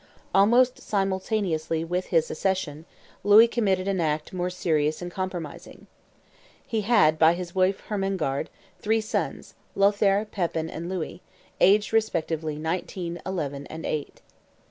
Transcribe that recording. Almost simultaneously with his accession, Louis committed an act more serious and compromising. He had, by his wife Hermengarde, three sons, Lothaire, Pepin, and Louis, aged respectively nineteen, eleven, and eight.